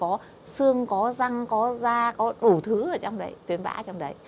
có xương có răng có da có đủ thứ ở trong đấy tuyến bã trong đấy